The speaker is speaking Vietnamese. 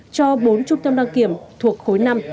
cho bốn trung tâm đăng kiểm thuộc khối năm